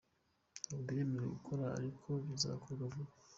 Ntabwo iremerwa gukora ariko bizakorwa vuba.